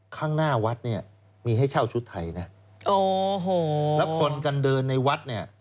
ข้างหน้าวัดเนี่ยมีให้เช่าชุดไทยนะโอ้โหแล้วคนกันเดินในวัดเนี่ย